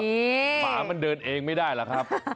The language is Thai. หมามันเดินเองไม่ได้หรอกครับ